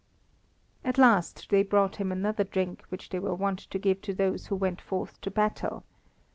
At last they brought him another drink which they were wont to give to those who went forth to battle.